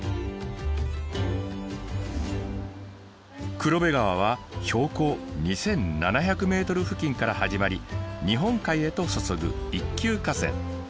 黒部川は標高２，７００ｍ付近から始まり日本海へと注ぐ一級河川。